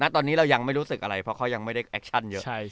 ตอนนี้เรายังไม่รู้สึกอะไรเพราะเขายังไม่ได้แอคชั่นเยอะ